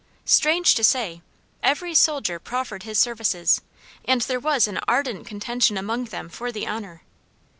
Strange to say, every soldier proffered his services, and there was an ardent contention among them for the honor.